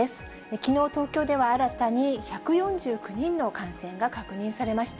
きのう、東京では新たに１４９人の感染が確認されました。